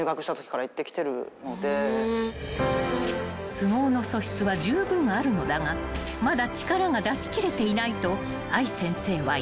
［相撲の素質はじゅうぶんあるのだがまだ力が出し切れていないと愛先生は言う］